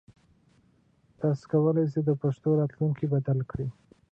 تاسو کولای شئ د پښتو راتلونکی بدل کړئ.